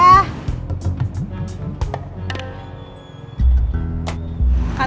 kata kak arman